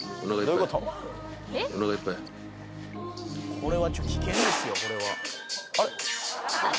「これはちょっと危険ですよこれは」